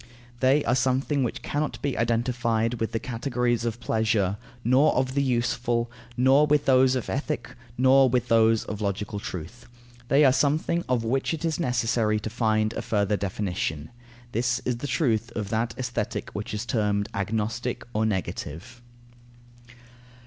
They are something which cannot be identified with the categories of pleasure, nor of the useful, nor with those of ethic, nor with those of logical truth. They are something of which it is necessary to find a further definition. This is the truth of that Aesthetic which is termed agnostic or negative.